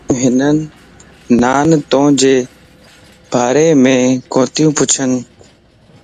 آن ھن نان توجي ڀاريم ڪوتي پڇين